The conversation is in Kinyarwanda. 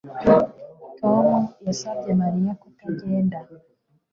Tom yasabye Mariya kutagenda